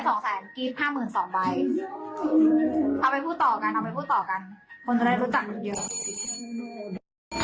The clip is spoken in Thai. กิ๊บ๕๒ใบ